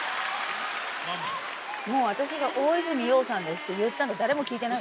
私が「大泉洋さんです」って言ったの誰も聞いてない。